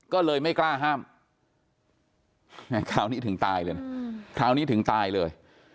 ก็เลยไม่กล้าห้ามคราวนี้ถึงตายเลยนะคราวนี้ถึงตายเลย